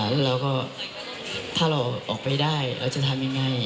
แล้วเราก็ถ้าเราออกไปได้เราจะทำยังไง